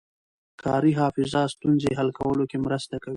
کاري حافظه ستونزې حل کولو کې مرسته کوي.